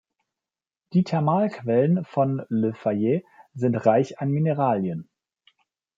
Die Thermalquellen von Le-Fayet sind reich an Mineralien.